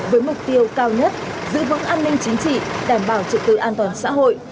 với mục tiêu cao nhất giữ vững an ninh chính trị đảm bảo trực tư an toàn xã hội